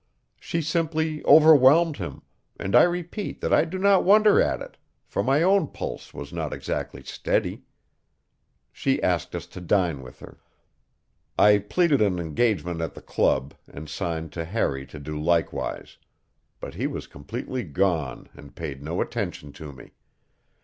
She simply overwhelmed him, and I repeat that I do not wonder at it, for my own pulse was not exactly steady. She asked us to dine with her. I pleaded an engagement at the club and signed to Harry to do likewise; but he was completely gone and paid no attention to me.